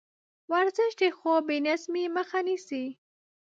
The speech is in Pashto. ورزش د خوب بېنظمۍ مخه نیسي.